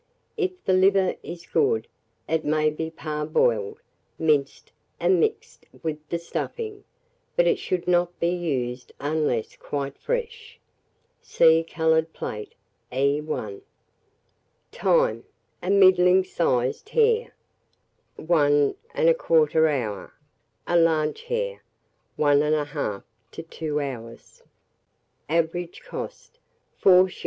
If the liver is good, it maybe parboiled, minced, and mixed with the stuffing; but it should not be used unless quite fresh. See coloured plate, E1. Time. A middling sized hare, 1 1/4 hour; a large hare, 1 1/2 to 2 hours. Average cost, from 4s.